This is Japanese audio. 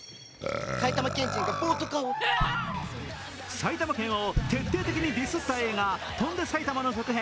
埼玉県を徹底的にディスった映画、「翔んで埼玉」の続編